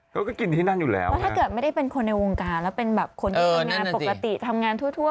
แล้วถ้าแบบไม่ได้เป็นคนได้วงการแล้วเป็นแบบคนที่ทำงานทั่ว